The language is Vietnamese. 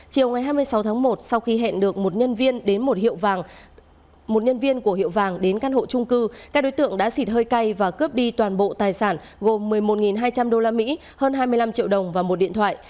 chiều ngày hai mươi sáu tháng một sau khi hẹn được một nhân viên của hiệu vàng đến căn hộ trung cư các đối tượng đã xịt hơi cay và cướp đi toàn bộ tài sản gồm một mươi một hai trăm linh usd hơn hai mươi năm triệu đồng và một điện thoại